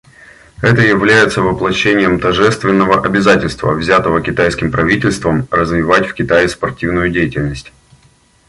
Это является воплощением тожественного обязательства, взятого китайским правительством, развивать в Китае спортивную деятельность.